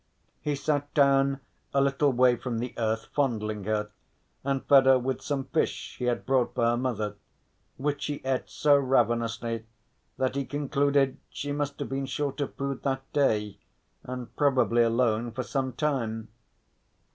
He sat down a little way from the earth fondling her, and fed her with some fish he had brought for her mother, which she ate so ravenously that he concluded she must have been short of food that day and probably alone for some time.